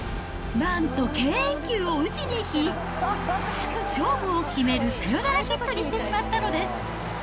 なんと敬遠球を打ちにいき、勝負を決めるサヨナラヒットにしてしまったのです。